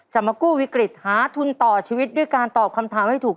จะมากู้วิกฤตหาทุนต่อชีวิตด้วยการตอบคำถามให้ถูก